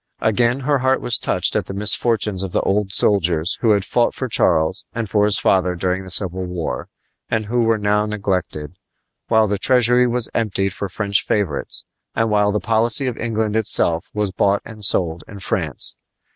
Again, her heart was touched at the misfortunes of the old soldiers who had fought for Charles and for his father during the Civil War, and who were now neglected, while the treasury was emptied for French favorites, and while the policy of England itself was bought and sold in France.